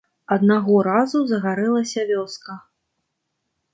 Аднаго разу загарэлася вёска.